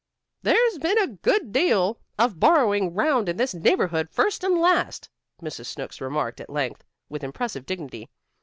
"There's been a good deal of borrowing 'round in this neighborhood first and last," Mrs. Snooks remarked at length, with impressive dignity.